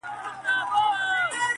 خپل مخ واړوې بل خواتــــه،